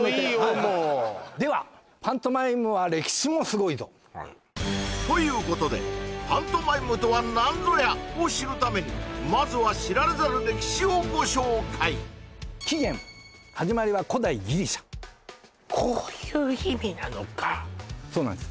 もうではパントマイムは歴史もすごいぞということでパントマイムとはなんぞや？を知るためにまずは知られざる歴史をご紹介起源始まりは古代ギリシャこういう意味なのかそうなんです